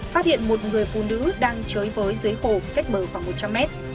phát hiện một người phụ nữ đang chơi với dưới hồ cách bờ khoảng một trăm linh m